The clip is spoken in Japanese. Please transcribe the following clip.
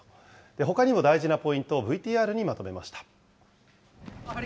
ほかにも大事なポイントをＶＴＲにまとめました。